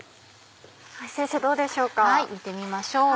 先生どうでしょうか？